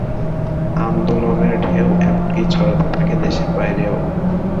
আন্দোলনের ঢেউ এমনকি ছড়াতে থাকে দেশের বাইরেও।